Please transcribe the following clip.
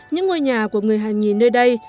những ngôi nhà của người hà nghì nơi đây